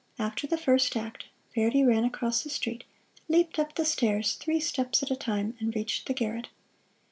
After the first act Verdi ran across the street, leaped up the stairs three steps at a time, and reached the garret.